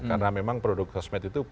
karena memang produk sosmed itu